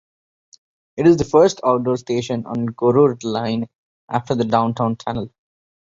It is the first outdoor station on Grorud Line after the downtown tunnel.